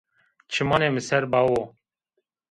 Çimanê mi ser, bawo